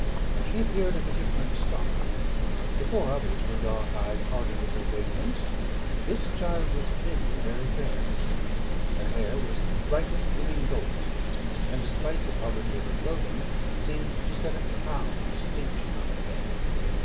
She appeared of a different stock. The four others were dark eyed, hardy little vagrants; this child was thin, and very fair. Her hair was the brightest living gold, and, despite the poverty of her clothing, seemed to set a crown of distinction on her head.